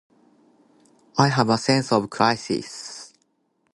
I have a sense of crisis